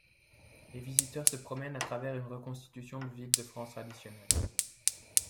Les visiteurs se promènent à travers une reconstitution de villes de France traditionnelles.